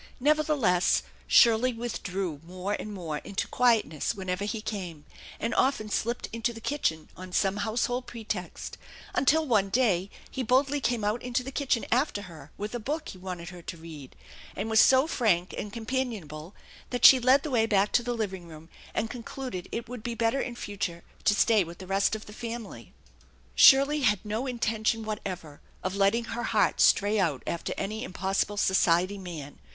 Nevertheless, Shirley withdrew more and 176 THE ENCHANTED BARN more into quietness whenever he came, and often slipped into the kitchen on some household pretext, until one day be boldly came out into the kitchen after her with a book he wanted her to read, and was so frank and companionable that she led the way back to the living room, and concluded it would be better in future to stay with the rest of the family. Shirley had no intention whatever of letting her heart stray out after any impossible society man.